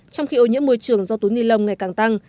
trong khi ô nhiễm môi trường do túi ni lông ngày càng tăng